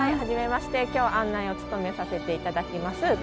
初めまして今日案内を務めさせていただきます